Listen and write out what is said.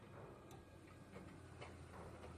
তুমি একা স্মার্ট নও, সেও এই বিষয়ে স্মার্ট বাবা!